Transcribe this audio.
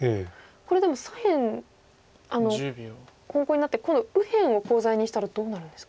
これでも左辺本コウになって今度右辺をコウ材にしたらどうなるんですか？